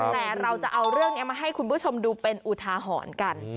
แต่เราจะเอาเรื่องนี้มาให้คุณผู้ชมดูเป็นอุทาหรณ์กัน